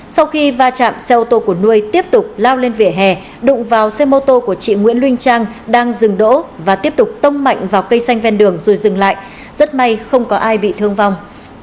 sau khi va chạm xe ô tô của nuôi tiếp tục lao lên vỉa hè đụng vào xe mô tô của chị nguyễn linh trang đang dừng đỗ và tiếp tục tông mạnh vào cây xanh ven đường rồi dừng lại rất may không có ai bị thương vong